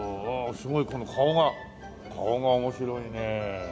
すごいこの顔が顔が面白いね。